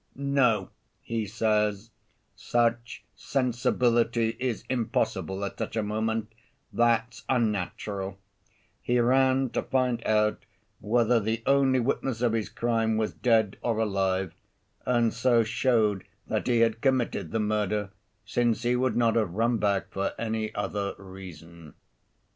'No,' he says, 'such sensibility is impossible at such a moment, that's unnatural; he ran to find out whether the only witness of his crime was dead or alive, and so showed that he had committed the murder, since he would not have run back for any other reason.